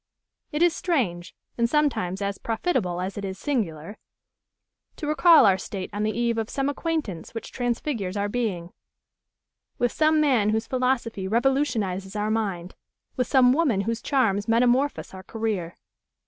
It is strange, and sometimes as profitable as it is singular, to recall our state on the eve of some acquaintance which transfigures our being; with some man whose philosophy revolutionises our mind; with some woman whose charms metamorphose our career.